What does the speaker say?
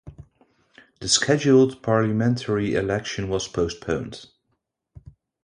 The scheduled parliamentary election was postponed.